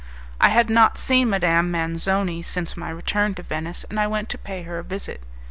I had not seen Madame Manzoni since my return to Venice, and I went to pay her a visit.